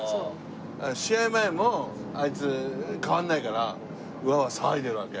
試合前もあいつ変わんないからワーワー騒いでるわけ。